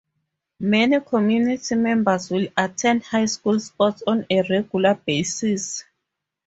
Many community members will attend high school sports on a regular basis.